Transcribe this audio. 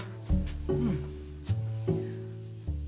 うん。